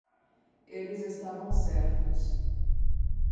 Eles estavam certos